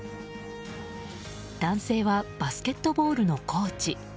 男性はバスケットボールのコーチ。